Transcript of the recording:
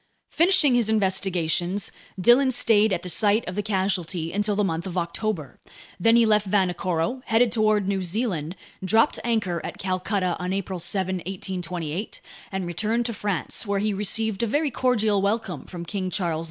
Finishing his investigations, Dillon stayed at the site of the casualty until the month of October. Then he left Vanikoro, headed toward New Zealand, dropped anchor at Calcutta on April 7, 1828, and returned to France, where he received a very cordial welcome from King Charles X.